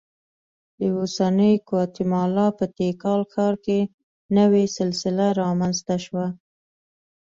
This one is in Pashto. د اوسنۍ ګواتیمالا په تیکال ښار کې نوې سلسله رامنځته شوه